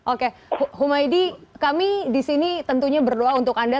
oke humaydi kami di sini tentunya berdoa untuk anda